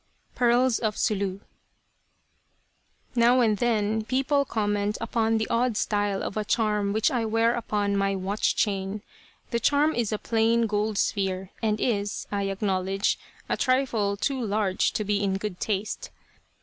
PEARLS OF SULU Now and then people comment upon the odd style of a charm which I wear upon my watch chain. The charm is a plain, gold sphere, and is, I acknowledge, a trifle too large to be in good taste.